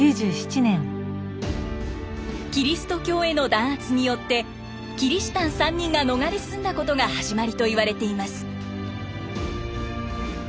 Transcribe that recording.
キリスト教への弾圧によってキリシタン３人が逃れ住んだことが始まりといわれています。